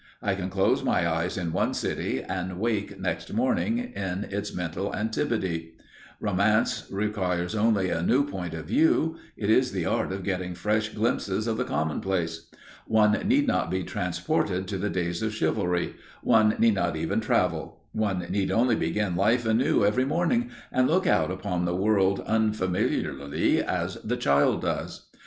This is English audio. I can close my eyes in one city, and wake next morning in its mental antipode. Romance requires only a new point of view; it is the art of getting fresh glimpses of the commonplace. One need not be transported to the days of chivalry, one need not even travel; one need only begin life anew every morning, and look out upon the world unfamiliarly as the child does.